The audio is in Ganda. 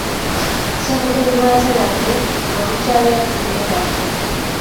Ssebugenyi bwa nsanafu, gwe bukyalira teyeebaka.